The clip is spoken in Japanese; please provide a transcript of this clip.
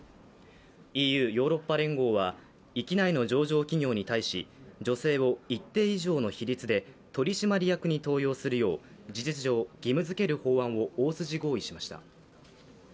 ＥＵ＝ヨーロッパ連合は域内の上場企業に対し女性を一定以上の比率で取締役に登用するよう事実上、義務づける法案を大筋合意しました。